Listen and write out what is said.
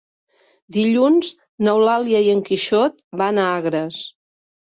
Dilluns n'Eulàlia i en Quixot van a Agres.